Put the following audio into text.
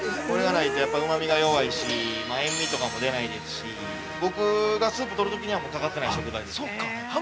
これがないと、やっぱうまみが弱いし、塩味とかも出ないですし、僕がスープ取るときには欠かせない食材です。